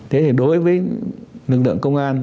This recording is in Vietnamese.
thế thì đối với lực lượng công an